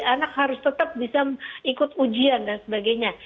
anak harus tetap bisa ikut ujian dan sebagainya